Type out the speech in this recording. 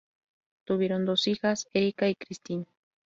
Tuvieron dos hijas, Erika y Kristin.